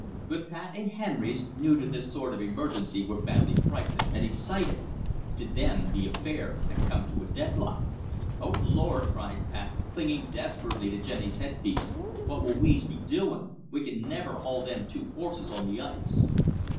But Pat and Henrys, new to this sort of emergency, were badly frightened and excited. To them the affair had come to a deadlock. "Oh, Lord!" cried Pat, clinging desperately to Jenny's headpiece. "What will we'z be doin'? We can't niver haul them two horses on the ice."